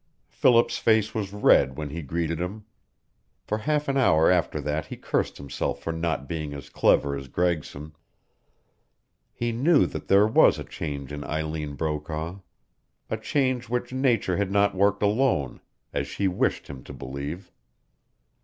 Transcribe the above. Philip's face was red when he greeted him. For half an hour after that he cursed himself for not being as clever as Gregson. He knew that there was a change in Eileen Brokaw, a change which nature had not worked alone, as she wished him to believe.